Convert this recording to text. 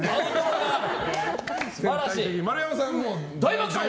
丸山さん、大爆笑。